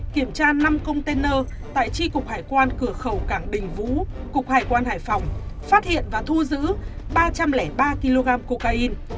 kiểm tra năm container tại tri cục hải quan cửa khẩu cảng đình vũ cục hải quan hải phòng phát hiện và thu giữ ba trăm linh ba kg cocaine